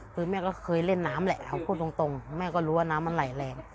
คือแม่ก็เคยเล่นน้ำแหละเขาพูดตรงแม่ก็รู้ว่าน้ำมันไหลแรง